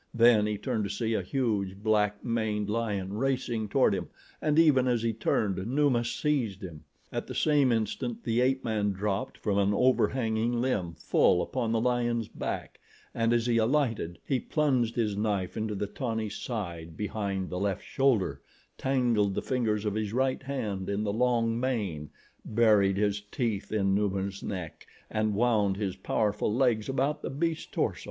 Then he turned to see a huge, black maned lion racing toward him and even as he turned, Numa seized him. At the same instant the ape man dropped from an overhanging limb full upon the lion's back and as he alighted he plunged his knife into the tawny side behind the left shoulder, tangled the fingers of his right hand in the long mane, buried his teeth in Numa's neck and wound his powerful legs about the beast's torso.